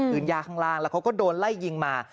ย่าข้างล่างแล้วเขาก็โดนไล่ยิงมา